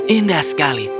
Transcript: oh indah sekali